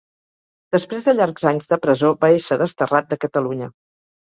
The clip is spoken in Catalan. Després de llargs anys de presó, va ésser desterrat de Catalunya.